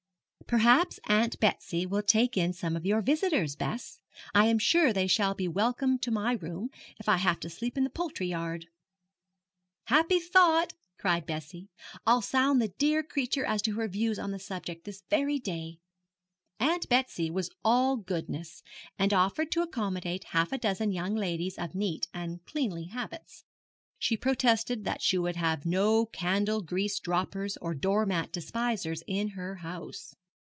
Perhaps Aunt Betsy will take in some of your visitors, Bess. I am sure they shall be welcome to my room, if I have to sleep in the poultry yard.' 'Happy thought,' cried Bessie; 'I'll sound the dear creature as to her views on the subject this very day.' Aunt Betsy was all goodness, and offered to accommodate half a dozen young ladies of neat and cleanly habits. She protested that she would have no candle grease droppers or door mat despisers in her house.